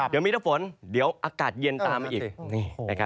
เดี๋ยวมีถ้าฝนเดี๋ยวอากาศเย็นตามมาอีก